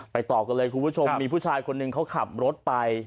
ต่อกันเลยคุณผู้ชมมีผู้ชายคนหนึ่งเขาขับรถไป